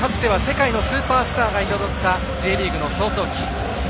かつては世界のスーパースターが彩ったＪリーグの草創期。